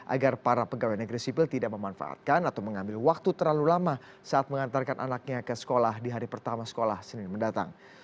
agar para pegawai negeri sipil tidak memanfaatkan atau mengambil waktu terlalu lama saat mengantarkan anaknya ke sekolah di hari pertama sekolah senin mendatang